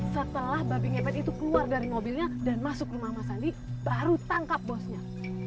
setelah babi ngepet itu keluar dari mobilnya dan masuk rumah mas sandi baru tangkap bosnya